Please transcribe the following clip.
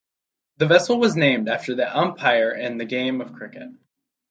The vessel was named after the umpire in the game of cricket.